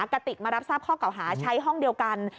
กติกมารับทราบข้อเก่าหาใช้ห้องเดียวกัน